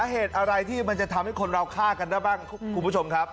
เหตุอะไรที่มันจะทำให้คนเราฆ่ากันได้บ้างคุณผู้ชมครับ